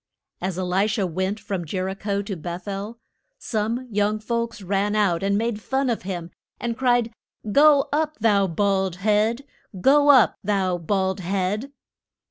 As E li sha went from Jer i cho to Beth el, some young folks ran out and made fun of him, and cried, Go up, thou bald head! Go up, thou bald head!